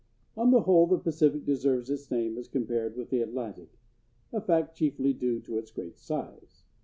On the whole the Pacific deserves its name as compared with the Atlantic—a fact chiefly due to its great size.